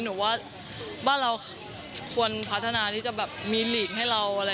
หนูว่าเราควรพัฒนาที่จะมีหลีกให้เรา